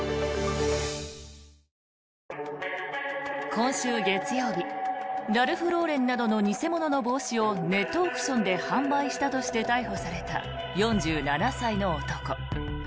今週月曜日ラルフローレンなどの偽物の帽子をネットオークションで販売したとして逮捕された４７歳の男。